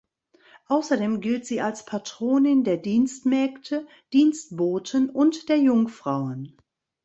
Außerdem gilt sie als Patronin der Dienstmägde, Dienstboten und der Jungfrauen.